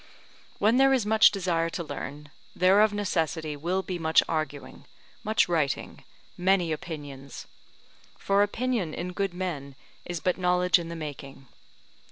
Where there is much desire to learn, there of necessity will be much arguing, much writing, many opinions; for opinion in good men is but knowledge in the making.